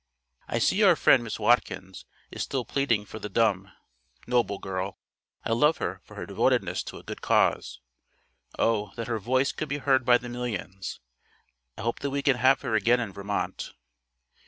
I see our friend, Miss Watkins, is still pleading for the dumb. Noble girl! I love her for her devotedness to a good cause. Oh, that her voice could be heard by the millions! I hope that we can have her again in Vermont.